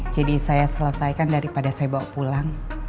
jadi saya selesaikan daripada saya bawa pulang